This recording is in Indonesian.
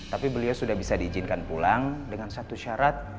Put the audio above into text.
tapi beliau sudah bisa diizinkan pulang dengan satu syarat